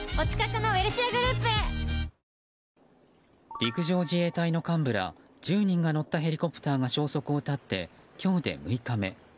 陸上自衛隊の幹部ら１０人が乗ったヘリコプターが消息を絶って今日で６日目。